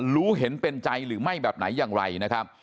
รู้เห็นเป็นใจหรือไม่แบบไหนอย่างไรนะครับ